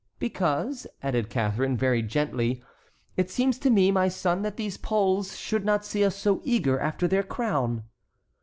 "Because," added Catharine, very gently, "it seems to me, my son, that these Poles should not see us so eager after their crown."